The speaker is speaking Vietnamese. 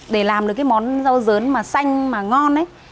để làm được cái món rau dớn mà xanh mà ngon ấy